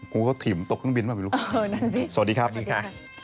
กูก็ถิ่มตกเครื่องบินไม่รู้สวัสดีครับสวัสดีค่ะ